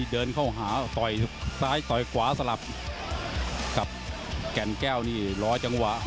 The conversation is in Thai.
ต่อหลัก๒ปุ้งไทยยากเชื่อหมดแรงหนี้ยาก